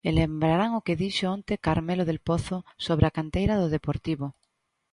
E lembrarán o que dixo onte Carmelo Del Pozo sobre a canteira do Deportivo.